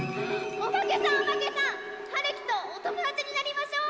おばけさんおばけさん！はるきとおともだちになりましょう！